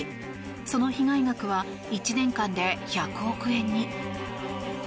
その被害額は１年間で１００億円に。